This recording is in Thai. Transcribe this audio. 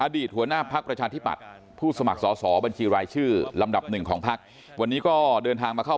อดีตหัวหน้าภประชาธิปัตต์ผู้สมัครสอบัญชีรายชื่อ